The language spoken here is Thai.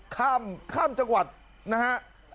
ข้ามจังหวัดนะฮะ